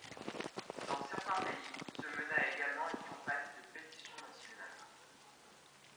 Dans certains pays, se mena également une campagne de pétitions nationale.